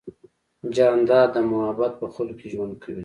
جانداد د محبت په خلقو کې ژوند کوي.